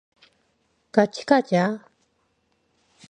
같이 가자.